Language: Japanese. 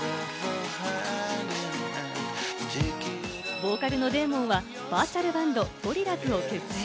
ボーカルのデーモンはバーチャルバンド・ゴリラズを結成。